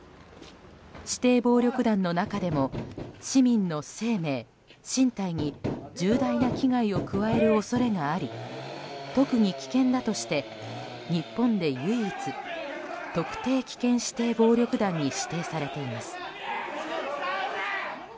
指定暴力団の中でも市民の生命・身体に重大な危害を加える恐れがあり特に危険だとして、日本で唯一特定危険指定暴力団に指定されています。